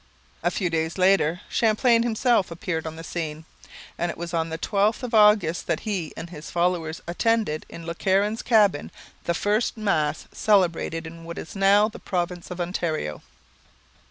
A few days later Champlain himself appeared on the scene; and it was on the 12th of August that he and his followers attended in Le Caron's cabin the first Mass celebrated in what is now the province of Ontario.